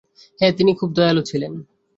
হ্যাঁ, তিনি খুব দয়ালু ছিলেন।